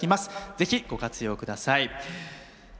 ぜひご活用ください。